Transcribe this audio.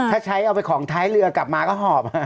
ถ้าใช้เอาไปของท้ายเรือกลับมาก็หอบ